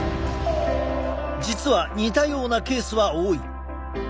実は似たようなケースは多い。